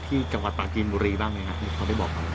มีหลายส่วนที่เขานึกออก